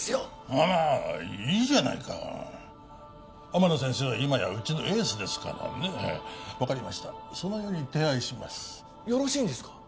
まあまあいいじゃないか天野先生は今やうちのエースですからね分かりましたそのように手配しますよろしいんですか？